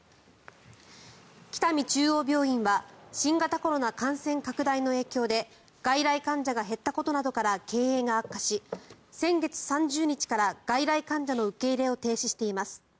北見中央病院は新型コロナ感染拡大の影響で外来患者が減ったことなどから経営が悪化し先月３０日から外来患者の受け入れを停止しています。